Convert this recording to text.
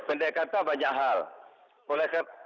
pindah kata banyak hal